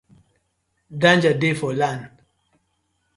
Danger dey for land.